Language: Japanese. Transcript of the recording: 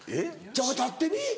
お前立ってみ？